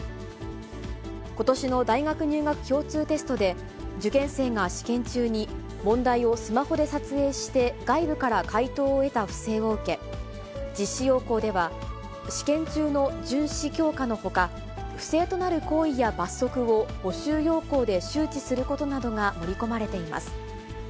ことしの大学入学共通テストで、受験生が試験中に、問題をスマホで撮影して外部から解答を得た不正を受け、実施要項では、試験中の巡視強化のほか、不正となる行為や罰則を募集要項で周知することなどが盛り込まれています。